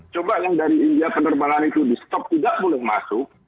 coba yang dari india penerbangan itu di stop tidak boleh masuk